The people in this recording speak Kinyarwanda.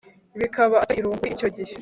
Bikaba atari irungu kuri icyo gihe